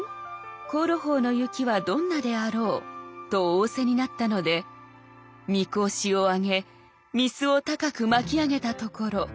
香炉峰の雪はどんなであろう』と仰せになったので御格子を上げ御簾を高く巻き上げたところ